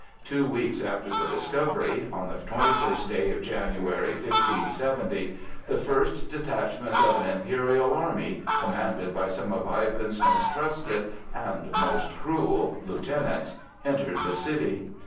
Two weeks after the discovery, on the twenty first day of January, 1570, the first detachments of an imperial army, commanded by some of Ivan's most trusted and most cruel lieutenants, entered the city.